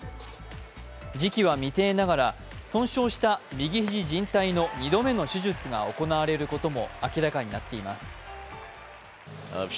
時期は未定ながら、損傷した右肘じん帯の２度目の手術が行われることも明らかになっています。